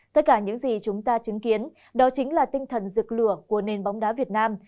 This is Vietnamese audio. tất cả những gì chúng ta chứng kiến đó chính là tinh thần dược lửa của nền bóng đá việt nam